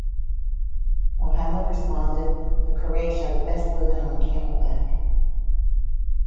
Muhammad responded: The Quraysh are the best women on camel-back!